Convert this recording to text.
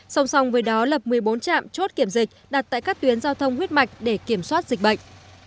song song với đó lập một mươi bốn trạm chốt kiểm dịch đặt tại các tuyến giao thông huyết mạch để kiểm soát dịch bệnh